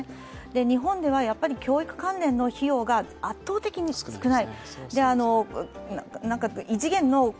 日本では教育関連の費用が圧倒的に少ない。